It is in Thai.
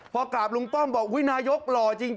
พอกราบลุงป้อมบอกอุ๊ยนายกหล่อจริง